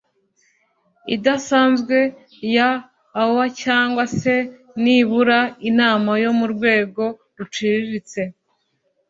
idasanzwe ya oua cyangwa se nibura inama yo mu rwego ruciriritse.